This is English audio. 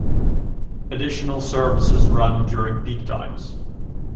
Additional services run during peak times.